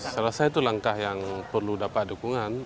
selesai itu langkah yang perlu dapat dukungan